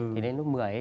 thì đến lúc một mươi ấy